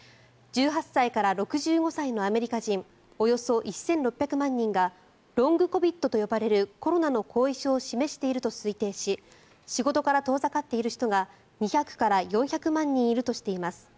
１８歳から６５歳のアメリカ人およそ１６００万人がロングコビッドと呼ばれるコロナの後遺症を示していると推定し仕事から遠ざかっている人が２００万人から４００万人いるとしています。